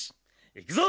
いくぞ！